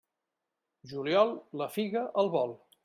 Juliol, la figa al vol.